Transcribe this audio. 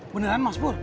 beneran mas pur